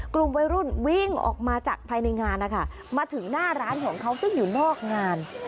กลุ่มวัยรุ่นวิ่งออกมาจากภายในงานนะคะมาถึงหน้าร้านของเขาซึ่งอยู่นอกงาน